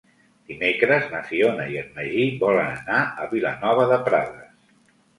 Dimecres na Fiona i en Magí volen anar a Vilanova de Prades.